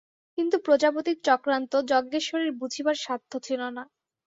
কিন্তু প্রজাপতির চক্রান্ত যজ্ঞেশ্বরের বুঝিবার সাধ্য ছিল না।